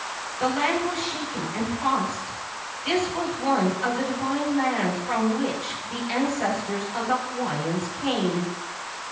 The land was shaken and tossed. This was one of the divine lands from which the ancestors of the Hawaiians came.